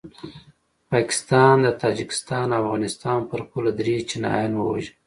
پاکستان د تاجکستان او افغانستان پر پوله دري چینایان ووژل